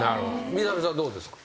みさみさはどうですか？